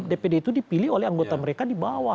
dpd itu dipilih oleh anggota mereka di bawah